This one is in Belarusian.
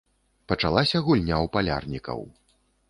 Пачалася гульня ў палярнікаў.